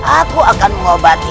aku akan mengobati